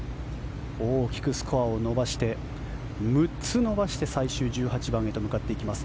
大きくスコアを伸ばして３つ伸ばして最終１８番に入っていきます。